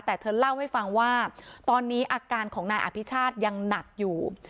แต่เธอเล่าให้ฟังว่าตอนนี้อาการของนายอภิชาติยังหนักอยู่